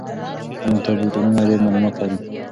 آنلاین کتابتونونه ډېر معلومات لري.